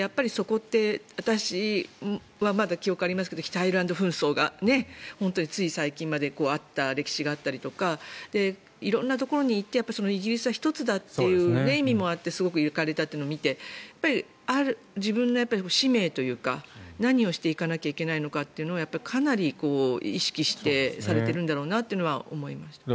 私はまだ記憶がありますが北アイルランド紛争が本当につい最近まであった歴史があったりとか色んなところに行ってイギリスは１つだというのを言われたというのを見て自分の使命というか何をしていかないといけないのかというのをかなり意識されているんだろうなとは思いました。